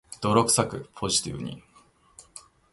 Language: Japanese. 泥臭く、ポジティブに